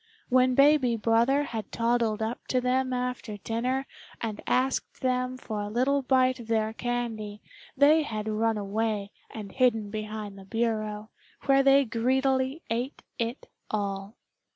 When baby brother had toddled up to them after dinner and asked them for a little bite of their candy they had run away and hidden behind the bureau, where they greedily ate it all.